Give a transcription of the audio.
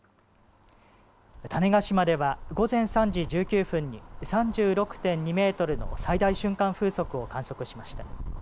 種子島では午前３時１９分に３６．２メートルの最大瞬間風速を観測しました。